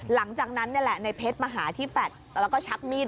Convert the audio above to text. หลังจากนั้นนี่แหละในเพชรมาหาที่แฟลตแล้วก็ชักมีด